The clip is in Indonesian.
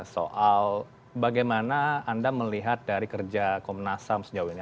soal bagaimana anda melihat dari kerja komnas ham sejauh ini